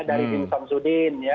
dari jim samsudin ya